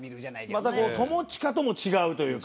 またこう友近とも違うというか。